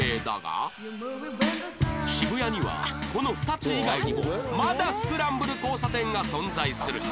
渋谷にはこの２つ以外にもまだスクランブル交差点が存在する